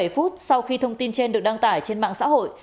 ba mươi bảy phút sau khi thông tin trên được đăng tải trên mạng xã hội